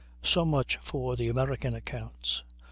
So much for the American accounts.